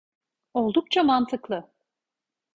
Oldukça mantıklı.